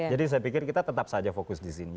jadi saya pikir kita tetap saja fokus di sini